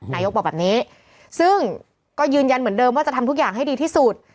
นายกบอกแบบนี้ซึ่งก็ยืนยันเหมือนเดิมว่าจะทำทุกอย่างให้ดีที่สุด